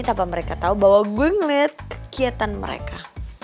tanpa mereka tau bahwa gue ngeliat kegiatan mereka